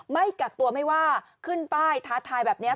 ไม่กักตัวไม่ว่าขึ้นป้ายท้าทายแบบนี้